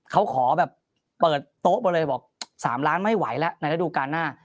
เขาขอแบบเปิดโต๊ะไปเลยบอก๓ล้านไม่ไหวแล้วในระดูการหน้า